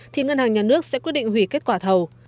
thì ngân hàng nhà nước sẽ quyết định hủy kết quả thầu